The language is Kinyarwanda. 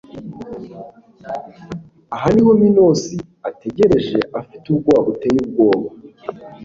Aha niho Minos ategereje afite ubwoba buteye ubwoba